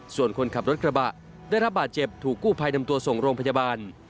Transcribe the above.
ส่วนคนขับรถกระบะได้รับบาดเจ็บถูกกู้ภัยนำตัวส่งโรงพยาบาล